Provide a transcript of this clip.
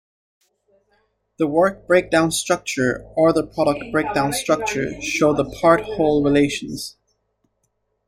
The work breakdown structure or the product breakdown structure show the "part-whole" relations.